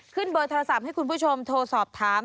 เบอร์โทรศัพท์ให้คุณผู้ชมโทรสอบถาม